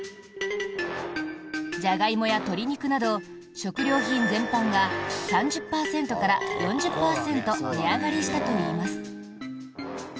ジャガイモや鶏肉など食料品全般が３０％から４０％値上がりしたといいます。